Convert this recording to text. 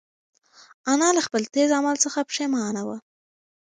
انا له خپل تېز عمل څخه پښېمانه وه.